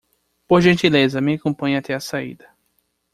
Por gentileza, me acompanhe até a saída.